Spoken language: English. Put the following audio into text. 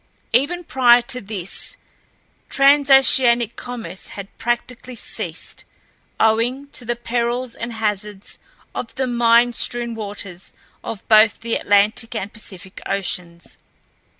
Even prior to this, transoceanic commerce had practically ceased, owing to the perils and hazards of the mine strewn waters of both the Atlantic and Pacific Oceans.